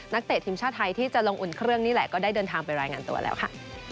เตะทีมชาติไทยที่จะลงอุ่นเครื่องนี่แหละก็ได้เดินทางไปรายงานตัวแล้วค่ะ